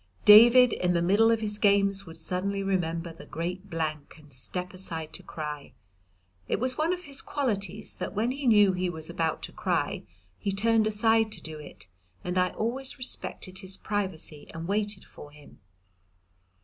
David in the middle of his games would suddenly remember the great blank and step aside to cry. It was one of his qualities that when he knew he was about to cry he turned aside to do it and I always respected his privacy and waited for him.